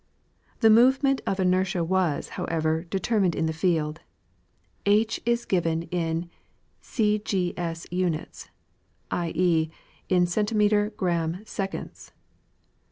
The moment of inertia was, however, detei'mined in the field. JJ is given in c g s units [i. e., in centimetre gramme seconds).